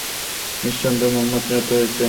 নিঃসন্দেহে মুহাম্মাদ নিহত হয়েছে।